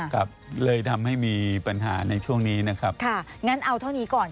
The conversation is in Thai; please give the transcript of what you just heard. ครับเลยทำให้มีปัญหาในช่วงนี้นะครับค่ะงั้นเอาเท่านี้ก่อน